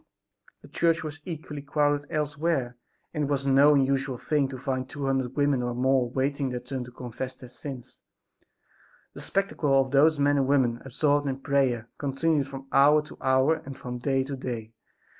The church was equally crowded elsewhere, and it was no unusual thing to find two hundred women or more waiting their turn to confess their sins. The spectacle of those men and women absorbed in prayer continued from hour to hour and from day to day.